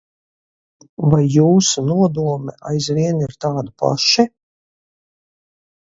Vai jūsu nodomi aizvien ir tādi paši?